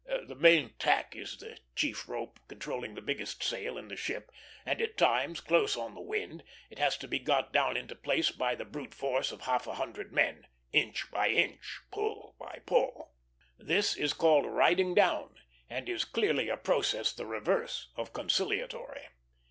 The main tack is the chief rope controlling the biggest sail in the ship, and at times, close on the wind, it has to be got down into place by the brute force of half a hundred men, inch by inch, pull by pull. That is called riding down, and is clearly a process the reverse of conciliatory.